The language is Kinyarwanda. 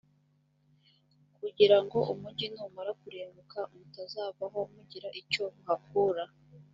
kugira ngo umugi numara kurimbuka, mutazavaho mugira icyo muhakura.